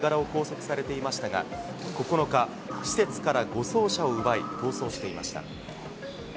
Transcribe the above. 八木容疑者は不法滞在の疑いで身柄を拘束されていましたが、９日、施設から護送車を奪い逃走していました。